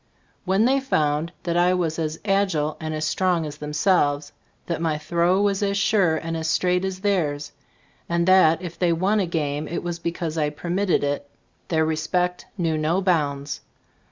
When they found that I was as agile and as strong as themselves, that my throw was as sure and as straight as theirs, and that if they won a game it was because I permitted it, their respect knew no bounds.